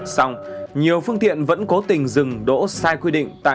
xong nhiều phương tiện vẫn cố tình dừng đỗ sai quy định